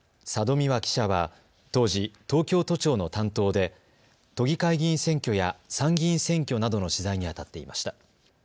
未和記者は当時、東京都庁の担当で都議会議員選挙や参議院選挙などの取材にあたっていました。